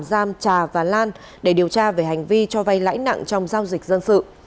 giam trà và lan để điều tra về hành vi cho vay lãnh đặng trong giao dịch dân sự